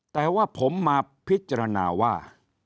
แต่ว่าผมมาพิจารณาว่า